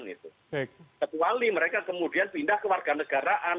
kecuali mereka kemudian pindah ke warga negaraan